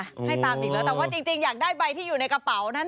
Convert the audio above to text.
ให้ตามอีกแล้วแต่ว่าจริงอยากได้ใบที่อยู่ในกระเป๋านั้น